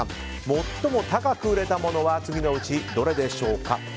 最も高く売れた物は次のうちどれでしょうか。